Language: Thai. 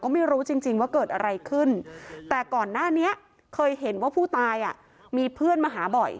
ก็ไม่รู้จริงจริงว่าเกิดอะไรขึ้นแต่ก่อนหน้านี้เคยเห็นว่าผู้ตายอ่ะ